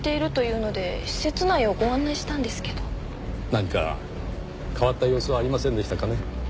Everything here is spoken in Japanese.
何か変わった様子はありませんでしたかね？